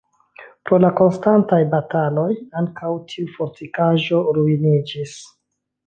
Pro la konstantaj bataloj ankaŭ tiu fortikaĵo ruiniĝis.